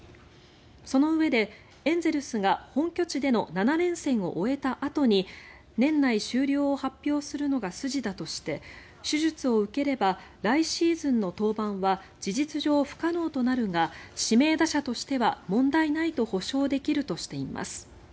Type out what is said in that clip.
そのうえでエンゼルスが本拠地での７連戦を終えたあとに年内終了を発表するのが筋だとして手術を受ければ来シーズンの登板は事実上、不可能となるが指名打者としては問題ないと保証できるとしています。